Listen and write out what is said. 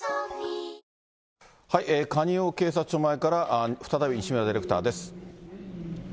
蟹江警察署前から、再び西村ディレクターです。